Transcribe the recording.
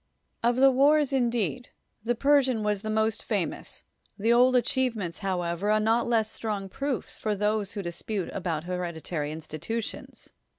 Of the wars, indeed, the Persian was the most famous; the old achievements, however, are not less strong proofs for those who dispute about hereditary institutions.